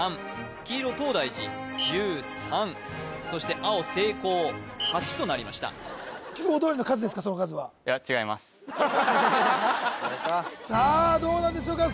黄色東大寺１３そして青聖光８となりましたさあどうなんでしょうか